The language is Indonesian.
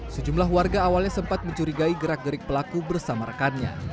sejumlah warga awalnya sempat mencurigai gerak gerik pelaku bersama rekannya